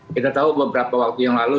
kita tahu beberapa waktu yang lalu